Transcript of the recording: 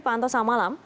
pak anton selamat malam